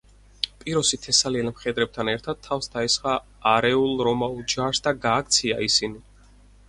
პიროსი თესალიელ მხედრებთან ერთად თავს დაესხა არეულ რომაულ ჯარს და გააქცია ისინი.